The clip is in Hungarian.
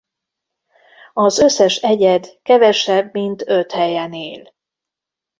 Az összes egyed kevesebb mint öt helyen él.